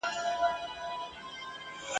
د چا درمان وسو ارمان پوره سو ..